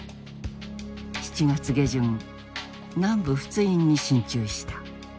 ７月下旬南部仏印に進駐した。